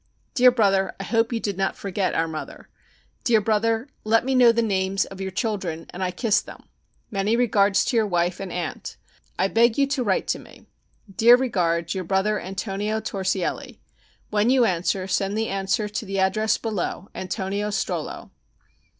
DEAR BROTHER, I hope you did not forget our mother. Dear Brother, let me know the names of your children, and I kiss them. Many regards to your wife and Aunt. I beg you to write to me. Dear regards, your brother, Antonio Torsielli. When you answer send the answer to the address below, Antonio Strollo.